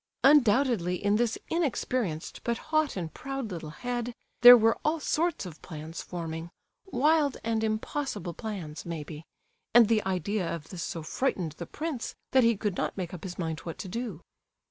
Undoubtedly in this inexperienced, but hot and proud little head, there were all sorts of plans forming, wild and impossible plans, maybe; and the idea of this so frightened the prince that he could not make up his mind what to do.